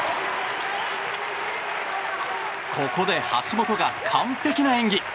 ここで橋本が完璧な演技。